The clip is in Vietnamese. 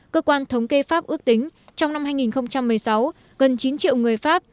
cơ quan thống kê pháp ước tính trong năm hai nghìn một mươi sáu gần chín triệu người pháp